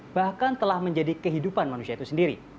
bahkan telah menjadi kehidupan manusia itu sendiri